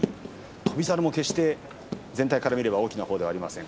翔猿も決して全体から見れば大きなほうではありません。